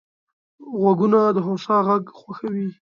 غوږونه د هوسا غږ خوښوي